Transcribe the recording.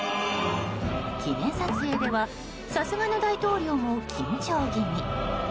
記念撮影ではさすがの大統領も緊張気味。